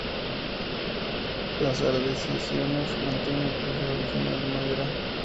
La sala de sesiones mantiene el piso original de madera.